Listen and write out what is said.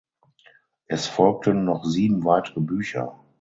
Es folgten noch sieben weitere Bücher.